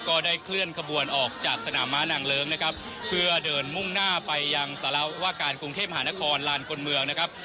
ก็ได้เคลื่อนขบวนออกจากสนามม้านางเลิ้งนะครับเพื่อเดินมุ่งหน้าไปยังสารวาการกรุงเทพหานครลานคนเมืองนะครับ